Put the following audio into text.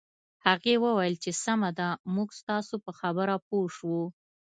هغې وویل چې سمه ده موږ ستاسو په خبره پوه شوو